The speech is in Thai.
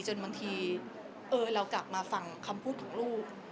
บางทีเรากลับมาฟังคำพูดของลูก